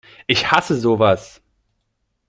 Ich hasse sowas!